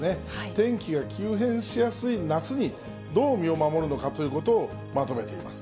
天気が急変しやすい夏に、どう身を守るのかということをまとめてみます。